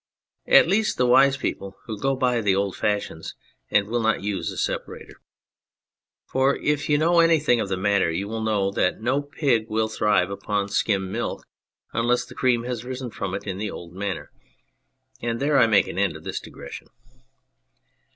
At least the wise people, who go by the old fashions and will not use a separator for if you know anything of the matter you will know that no pig will thrive upon skim milk unless the cream has risen from it in the old manner : and there I make an end of this digression.